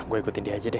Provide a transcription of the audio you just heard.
gue ikutin dia aja deh